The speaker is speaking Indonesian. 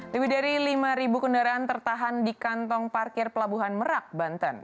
lebih dari lima kendaraan tertahan di kantong parkir pelabuhan merak banten